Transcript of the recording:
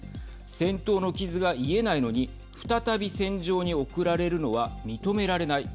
戦闘の傷が癒えないのに再び戦場に送られるのは認められない。